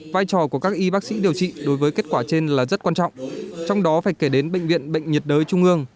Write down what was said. vai trò của các y bác sĩ điều trị đối với kết quả trên là rất quan trọng trong đó phải kể đến bệnh viện bệnh nhiệt đới trung ương